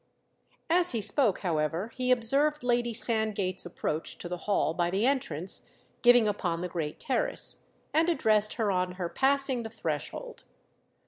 As he spoke, however, he observed Lady Sandgate's approach to the hall by the entrance giving upon the great terrace, and addressed her on her passing the threshold.